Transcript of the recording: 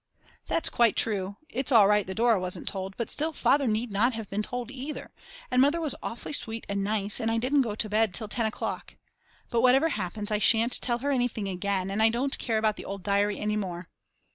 That's quite true, it's all right that Dora wasn't told; but still Father need not have been told either. And Mother was awfully sweet and nice and I didn't go to bed till 10 o'clock. But whatever happens I shan't tell her anything again and I don't care about the old diary any more.